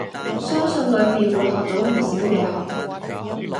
相信裡面會學到唔少嘢學。